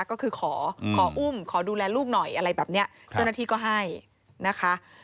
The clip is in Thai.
ก็คือขอขออุ้มขอดูแลลูกหน่อยอะไรแบบนี้เจ้าหน้าที่ก็ให้นะคะ